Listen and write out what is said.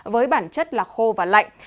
với bản chất là khô và lạnh